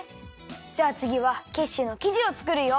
じゃあつぎはキッシュのきじをつくるよ。